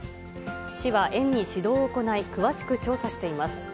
市は、園に指導を行い、詳しく調査しています。